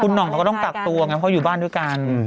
คุณน้องเราก็ต้องตากตัวกันการพออยู่บ้านด้วยกัน